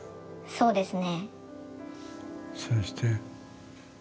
そうですね。